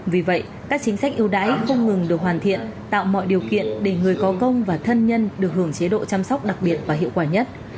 vì vậy các chính sách ưu đãi không ngừng được hoàn thiện tạo mọi điều kiện để người có công và thân nhân được hưởng chế độ chăm sóc đặc biệt và hiệu quả nhất